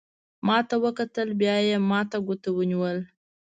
ما ته وکتل، بیا یې ما ته ګوته ونیول.